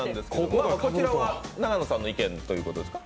こちらは永野さんの意見ということですか？